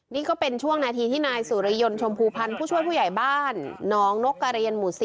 นี่ก็เป็นช่วงนาทีที่นายสุริยนต์ชมพูพันธ์ผู้ช่วยผู้ใหญ่บ้านน้องนกกระเรียนหมู่๓